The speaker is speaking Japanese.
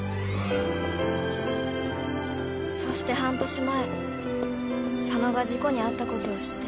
そして半年前佐野が事故に遭ったことを知って。